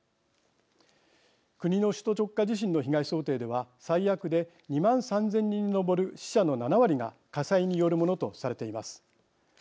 国の首都直下地震の被害想定では最悪で２万３０００人に上る死者の７割が火災によるものとされています。